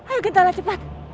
ayo gentalah cepat